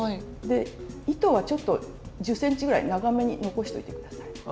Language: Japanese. で糸はちょっと１０ｃｍぐらい長めに残しておいて下さい。